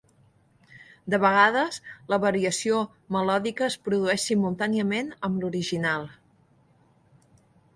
De vegades, la variació melòdica es produeix simultàniament amb l'original.